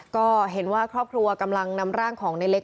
ก็เห็นว่าครอบครัวกำลังนำร่างของในเล็ก